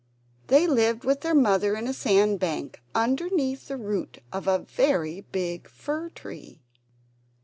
They lived with their Mother in a sandbank, underneath the root of a very big fir tree.